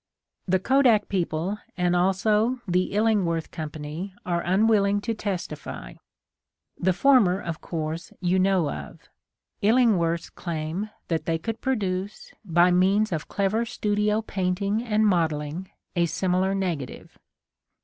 The Kodak people and also the Illingworth Co. are unwilling to testify. The former, of course, you know of. Illing worths claim that they could produce, by means of clever studio painting and model ling, a similar negative.